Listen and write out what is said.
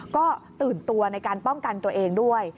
ก็ตื่นตัวในการป้องกันตัวเองด้วย